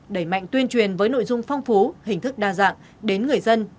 đẩy mạnh tuyên truyền với nội dung phong phú hình thức đa dạng đến người dân